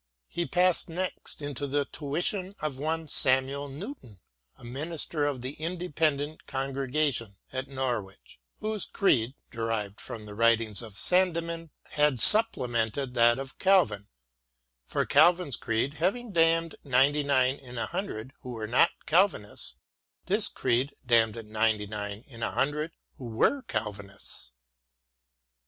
He passed next into the tuition of one Samuel Newton, a minister of the Independent Congregation at Norwich, whose creed, derived from the writings of Sandeman, had supplemented that of Calvin ; for Calvin's creed having damned ninety nine in a hundred who were not Calvinists, this creed damned ninety nine in a hundred who were Calvinists.